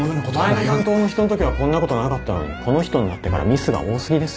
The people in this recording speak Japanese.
前の担当の人のときはこんなことなかったのにこの人になってからミスが多過ぎですよ。